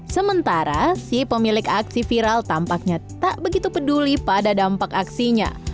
sementara si pemilik aksi viral tampaknya tak begitu peduli pada dampak aksinya